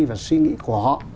và suy nghĩ của họ